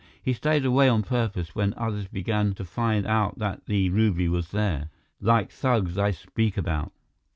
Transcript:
He stayed away on purpose, when others began to find out that the ruby was there. Like thugs I speak about."